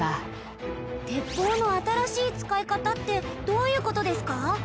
鉄砲の新しい使い方ってどういう事ですか？